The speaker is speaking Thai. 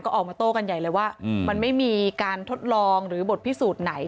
ก็ออกมาโต้กันใหญ่เลยว่ามันไม่มีการทดลองหรือบทพิสูจน์ไหน